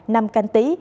năm canh tí